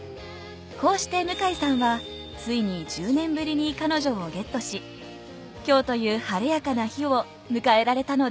こうして向井さんはついに１０年ぶりに彼女をゲットし今日という晴れやかな日を迎えられたのです。